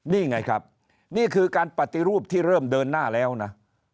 นี่ไงครับนี่คือการปฏิรูปที่เริ่มเดินหน้าแล้วนะ